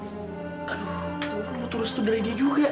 aduh mau terus terus dari dia juga